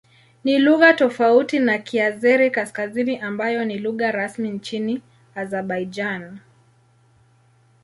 Ni lugha tofauti na Kiazeri-Kaskazini ambayo ni lugha rasmi nchini Azerbaijan.